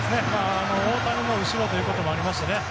大谷の後ろということもありましてね